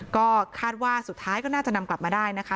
ก็คาดว่าสุดท้ายก็น่าจะนำกลับมาได้นะคะ